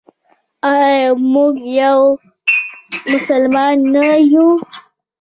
آیا موږ یو مسلمان نه یو؟